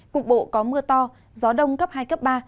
cục bộ có mưa to gió đông cấp hai cấp ba